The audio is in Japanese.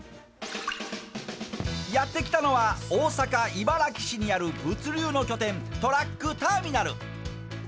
やって来たのは大阪、茨木市にある物流の拠点トラックターミナル。